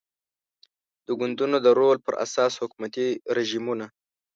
د ګوندونو د رول پر اساس حکومتي رژیمونه